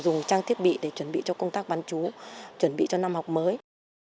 dùng trang thiết bị để chuẩn bị cho công tác bán chú chuẩn bị cho năm học mới